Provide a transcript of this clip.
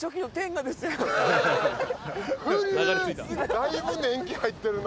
だいぶ年季入ってるな。